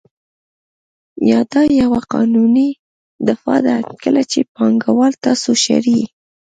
یا دا یوه قانوني دفاع ده کله چې پانګوال تاسو شړي